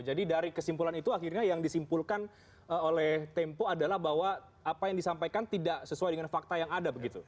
jadi dari kesimpulan itu akhirnya yang disimpulkan oleh tempo adalah bahwa apa yang disampaikan tidak sesuai dengan fakta yang ada begitu